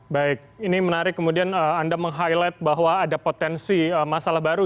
baik ini menarik kemudian anda meng highlight bahwa ada potensi masalah baru